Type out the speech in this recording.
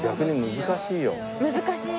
難しい？